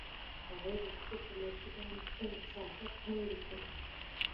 هغوی د شپه پر لرګي باندې خپل احساسات هم لیکل.